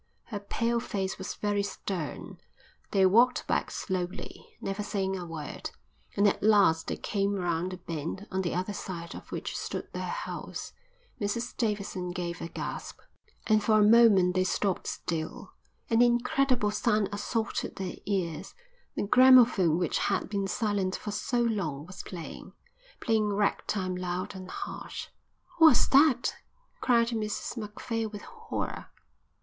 Her pale face was very stern. They walked back slowly, never saying a word, and at last they came round the bend on the other side of which stood their house. Mrs Davidson gave a gasp, and for a moment they stopped still. An incredible sound assaulted their ears. The gramophone which had been silent for so long was playing, playing ragtime loud and harsh. "What's that?" cried Mrs Macphail with horror.